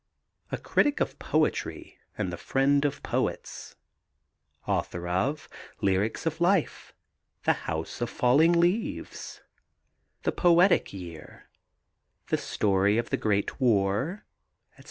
A critic of poetry and the friend of poets. Author of Lyrics of Life, The House of Falling Leaves, The Poetic Year, The Story of the Great War, etc.